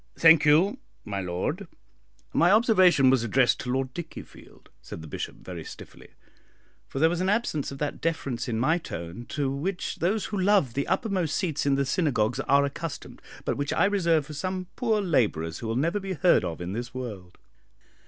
"Thank you, my lord my observation was addressed to Lord Dickiefield," said the Bishop, very stiffly; for there was an absence of that deference in my tone to which those who love the uppermost seats in the synagogues are accustomed, but which I reserve for some poor labourers who will never be heard of in this world.